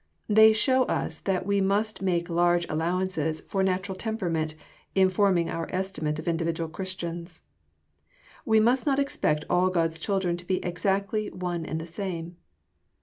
They show us that we must make large allowances for natural temperament, in forming our estimate of individual Christians. We must not expect all God's children to be exactly one and the same.